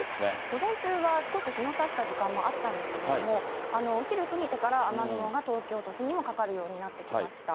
午前中は少し日のさした時間もあったんですけれども、お昼過ぎてから、雨雲が東京都心にもかかるようになってきました。